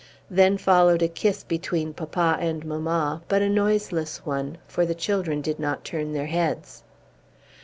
Then followed a kiss between papa and mamma; but a noiseless one, for the children did not turn their heads.